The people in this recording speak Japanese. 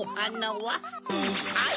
はい！